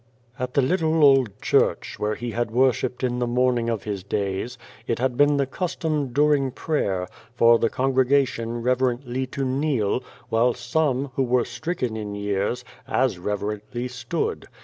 " At the little old church, where he had worshipped in the morning of his days, it had been the custom, during prayer, for the 83 The Face congregation reverently to kneel, while some, who were stricken in years, as reverently stood.